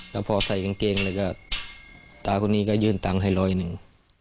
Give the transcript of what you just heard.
แล้วพอใส่กางเกงแล้วก็ตาคนนี้ก็ยื่นตังค์ให้ร้อยหนึ่ง